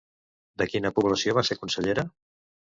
De quina població va ser consellera?